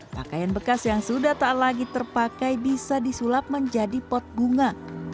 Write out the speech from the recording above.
pakaian bekas yang sudah tak lagi terpakai bisa disulap menjadi pot bunga